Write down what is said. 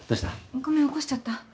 ごめん起こしちゃった？